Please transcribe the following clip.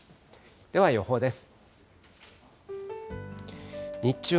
では予報です。